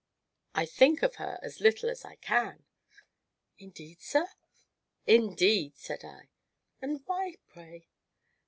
"I think of her as little as I can." "Indeed, sir!" "Indeed," said I. "And why, pray?"